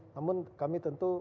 namun kami tentu